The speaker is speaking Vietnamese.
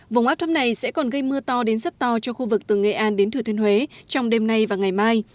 vùng áp thấp này sẽ còn gây mưa to đến rất to cho khu vực từ nghệ an đến thừa thiên huế trong đêm nay và ngày mai